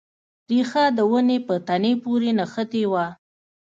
ریښه د ونې په تنې پورې نښتې وه.